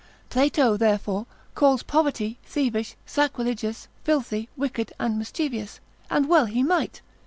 Plato, therefore, calls poverty, thievish, sacrilegious, filthy, wicked, and mischievous: and well he might.